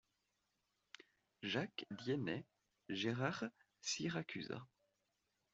Jacques Diennet, Gérard Siracusa.